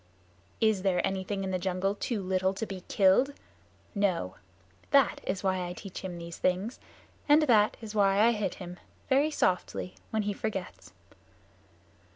"Is there anything in the jungle too little to be killed? No. That is why I teach him these things, and that is why I hit him, very softly, when he forgets."